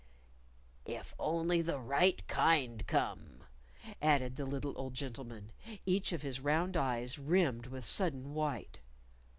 "If only the right kind come!" added the little old gentleman, each of his round eyes rimmed with sudden white.